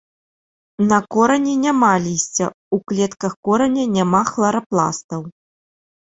На корані няма лісця, у клетках кораня няма хларапластаў.